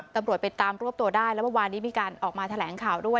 ตำรวจไปตามรวบตัวได้แล้วเมื่อวานนี้มีการออกมาแถลงข่าวด้วย